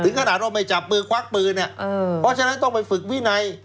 ถึงขนาดเราไปจับปืนควักปืนอ่ะอืมเพราะฉะนั้นต้องไปฝึกวินัย